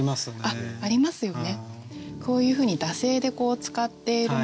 あっありますよね。